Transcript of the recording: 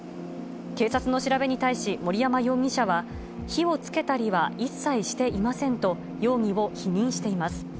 警察の調べに対し、森山容疑者は、火をつけたりは一切していませんと、容疑を否認しています。